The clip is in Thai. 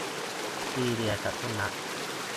สี่เหลี่ยมจตุรัส